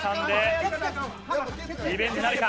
リベンジなるか。